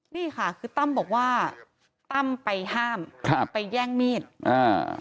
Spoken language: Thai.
นี่ค่ะคือตั้มบอกว่าตั้มไปห้ามครับไปแย่งมีดอ่า